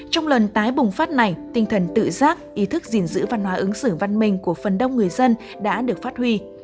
trong lần tái bùng phát này tinh thần tự giác ý thức gìn giữ văn hóa ứng xử văn minh của phần đông người dân đã được phát huy